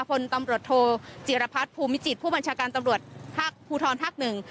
พลตำรวจโทจิรพัฒน์ภูมิจิตผู้บัญชาการตำรวจภาคภูทรภาคหนึ่ง